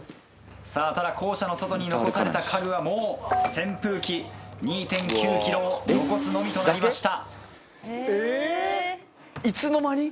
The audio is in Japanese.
さぁただ校舎の外に残された家具はもう扇風機２．９ｋｇを残すのみとなりました。